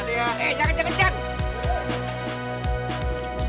eh jangan jangan jangan